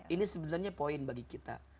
ini sebenarnya poin bagi kita